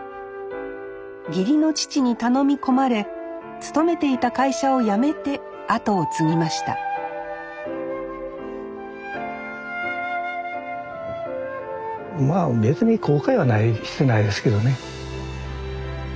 義理の父に頼み込まれ勤めていた会社を辞めて後を継ぎましたまあ別に後悔はしてないですけどね。